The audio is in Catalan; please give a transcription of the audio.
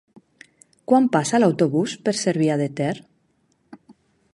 Quan passa l'autobús per Cervià de Ter?